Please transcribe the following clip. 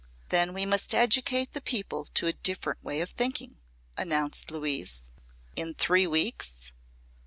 "Then we must educate the people to a different way of thinking," announced Louise. "In three weeks?"